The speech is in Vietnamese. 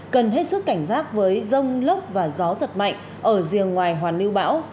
cần hết sức cảnh giác với rông lốc và gió giật mạnh ở riêng ngoài hoàn lưu bão